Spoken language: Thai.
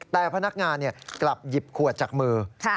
แต่พนักงานกลับหยิบขวดจากมือ